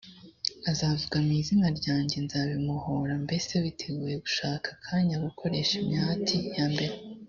azavuga mu izina ryanjye nzabimuhora mbese witeguye gushaka akanya gukoresha imihati ya mbere